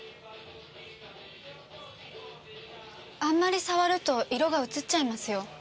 あんまり触ると色がうつっちゃいますよ。